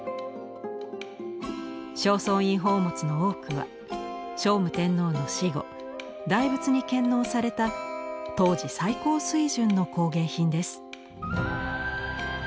正倉院宝物の多くは聖武天皇の死後大仏に献納された当時最高水準の工芸品です。